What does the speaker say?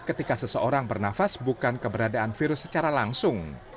ketika seseorang bernafas bukan keberadaan virus secara langsung